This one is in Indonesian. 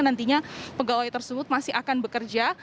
nantinya pegawai tersebut masih akan bekerja